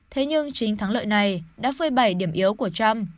thế nhưng chính thắng lợi này đã phơi bẩy điểm yếu của trump